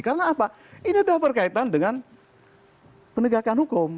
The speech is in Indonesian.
karena apa ini sudah berkaitan dengan penegakan hukum